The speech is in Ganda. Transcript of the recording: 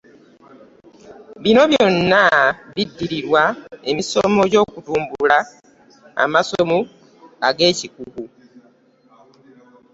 Bino byonna biddirirwa emisomo g’okutumbula amasomo ag’ekikugu.